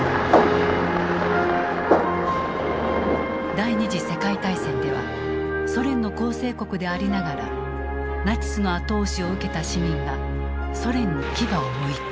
第二次世界大戦ではソ連の構成国でありながらナチスの後押しを受けた市民がソ連に牙をむいた。